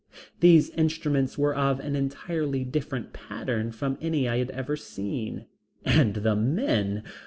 These instruments were of an entirely different pattern from any I had ever seen. And the men!